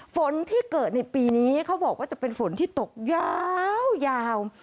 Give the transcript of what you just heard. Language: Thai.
ฝนที่เกิดในปีนี้เขาบอกว่าจะเป็นฝนที่ตกยาว